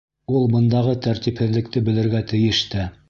Ул бындағы тәртипһеҙлекте белергә тейеш тә.